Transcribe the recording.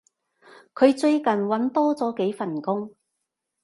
佢最近搵多咗幾份工